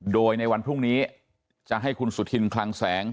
โดยในวันพรุ่งนี้จะให้คุณสุธินคลังแสง